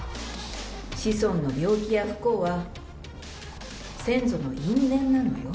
子孫の病気や不幸は、先祖の因縁なのよ。